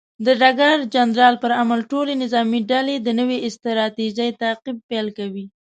د ډګر جنرال پر امر، ټولې نظامي ډلې د نوې ستراتیژۍ تعقیب پیل کوي.